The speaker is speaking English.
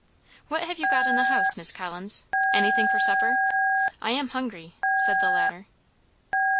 "What have you got in the house, Miss Collins? anything for supper? I am hungry," said the latter.